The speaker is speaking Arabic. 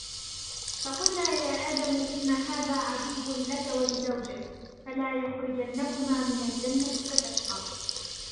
فَقُلْنَا يَا آدَمُ إِنَّ هَذَا عَدُوٌّ لَكَ وَلِزَوْجِكَ فَلَا يُخْرِجَنَّكُمَا مِنَ الْجَنَّةِ فَتَشْقَى